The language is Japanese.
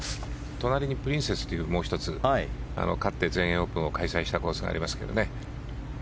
隣にプリンセスというかつて全英オープンを開催したコースがありますけどね。